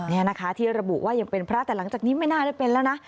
นี่นะคะที่ระบุว่ายังเป็นพระแต่หลังจากนี้ไม่น่าได้เป็นแล้วนะ